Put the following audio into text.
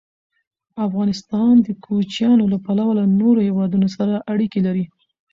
افغانستان د کوچیانو له پلوه له نورو هېوادونو سره اړیکې لري.